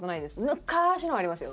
昔のはありますよ